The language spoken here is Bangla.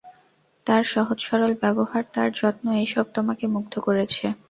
তার সহজ সরল ব্যবহার, তার যত্ন-এইসব তোমাকে মুগ্ধ করেছে।